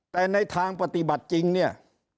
แต่ในทางปฏิบัติจริงเนี่ย